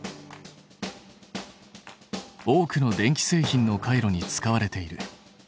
多くの電気製品の回路に使われている。